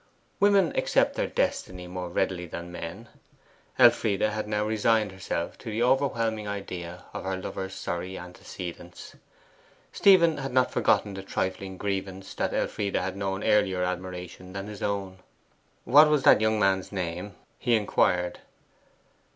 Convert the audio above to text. Women accept their destiny more readily than men. Elfride had now resigned herself to the overwhelming idea of her lover's sorry antecedents; Stephen had not forgotten the trifling grievance that Elfride had known earlier admiration than his own. 'What was that young man's name?' he inquired.